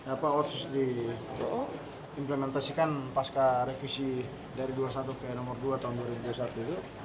apa otsus diimplementasikan pasca revisi dari dua puluh satu ke nomor dua tahun dua ribu dua puluh satu itu